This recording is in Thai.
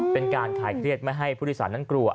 เป็นการขายเครียดไม่ให้ผู้โดยสารนั้นกลัว